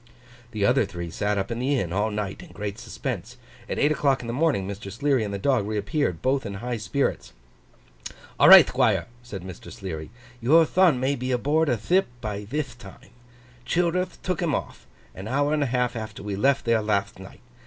The other three sat up at the inn all night in great suspense. At eight o'clock in the morning Mr. Sleary and the dog reappeared: both in high spirits. 'All right, Thquire!' said Mr. Sleary, 'your thon may be aboard a thip by thith time. Childerth took him off, an hour and a half after we left there latht night.